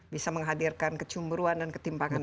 bisa menghadirkan kecumburuan dan ketimpangan